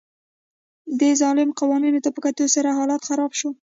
دې ظالمانه قوانینو ته په کتو سره حالت خراب شو